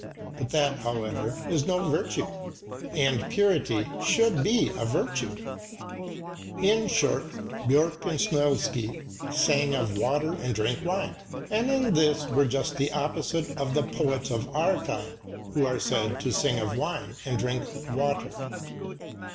But that, however, is no virtue, and purity should be a virtue. In short, Björck and Snoilsky sang of water and drank wine, and in this were just the opposite to the poets of our time, who are said to sing of wine and drink water.